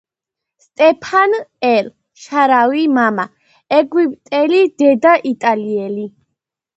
სტეფან ელ შაარავი, მამა ეგვიპტელი, დედა იტალიელი.